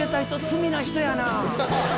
罪な人やな。